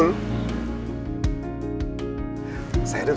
dan sewaktu aku ikut